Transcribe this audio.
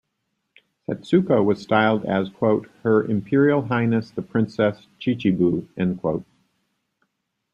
Setsuko was styled as "Her Imperial Highness The Princess Chichibu".